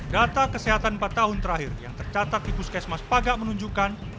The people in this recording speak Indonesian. data kesehatan empat tahun terakhir yang tercatat di puskesmas paga menunjukkan